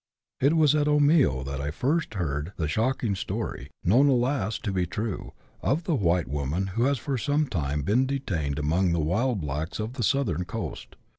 It was at Omio that I first heard the shocking story, known, alas ! to be too true, of the white woman who has for some time been detained among the wild blacks of the southern coast.